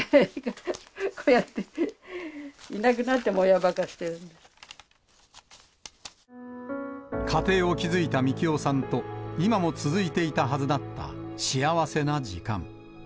こうやって、家庭を築いたみきおさんと、今も続いていたはずだった幸せな時間。